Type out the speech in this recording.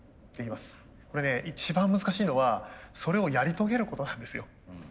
これね一番難しいのはそれをやり遂げることなんですよ。